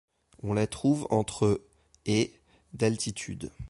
On la trouve entre et d'altitude.